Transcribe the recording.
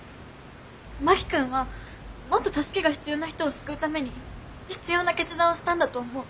真木君はもっと助けが必要な人を救うために必要な決断をしたんだと思う。